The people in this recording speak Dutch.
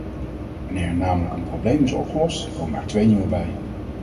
Wanneer er namelijk een probleem is opgelost, komen er twee nieuwe bij.